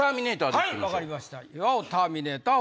岩尾ターミネーター